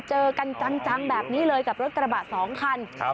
เจอกันจังแบบนี้เลยกับรถกระบะสองคัน